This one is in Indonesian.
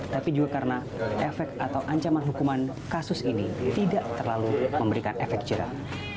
tapi juga karena efek atau ancaman hukuman kasus ini tidak terlalu memberikan efek jerah